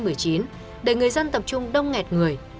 đời người dân tập trung đông nghẹt người